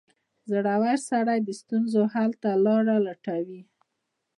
• زړور سړی د ستونزو حل ته لاره لټوي.